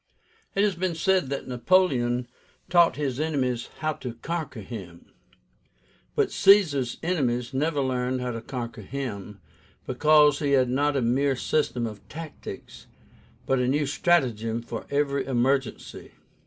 It has been said that Napoleon taught his enemies how to conquer him; but Caesar's enemies never learned how to conquer him, because he had not a mere system of tactics, but a new stratagem for every emergency.